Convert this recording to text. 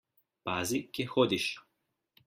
Pazi, kje hodiš!